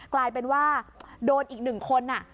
กลายเป็นว่าโดนอีกหนึ่งคน